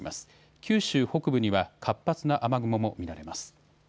九州北部には活発な雨雲も見られます。